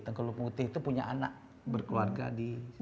tengku long putih itu punya anak berkeluarga di singapura